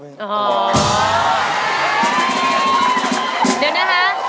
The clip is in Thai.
เดี๋ยวนะคะ